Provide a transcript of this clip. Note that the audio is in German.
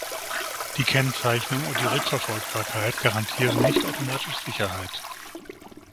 Die Kennzeichnung und die Rückverfolgbarkeit garantieren nicht automatisch Sicherheit.